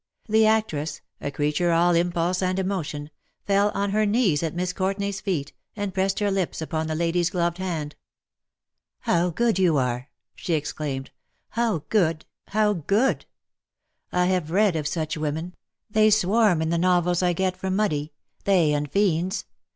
The actress — a creature all impulse and emotion — fell on her knees at Miss Courtenay's feetj and pressed her lips upon the lady^s gloved hand. " How good you are/^ she exclaimed —^' how good — how good. I have read of such women — they swarm in the novels I get from Mudie — they and fiends.